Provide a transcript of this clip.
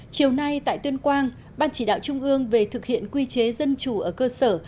chiều nay tại tuyên quang ban chỉ đạo trung ương về thực hiện quy chế dân chủ ở cơ sở